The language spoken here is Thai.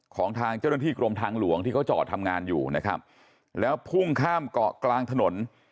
ของทางเจ้าหน้าที่กรมทางหลวงที่เขาจอดทำงานอยู่นะครับแล้วพุ่งข้ามเกาะกลางถนน